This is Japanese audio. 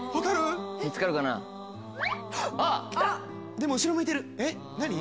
でも後ろ向いてるえっ何？